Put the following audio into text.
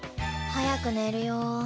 早く寝るよ。